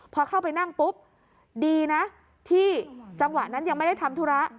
พอเข้าไปนั่งปุ๊บดีนะที่จังหวะนั้นยังไม่ได้ทำธุระ